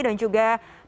dan juga penelitian